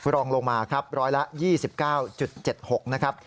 รองลงมาครับร้อยละ๒๙๗๖นะครับ